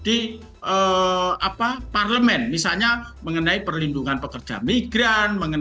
ini tidak pernah disisuarakan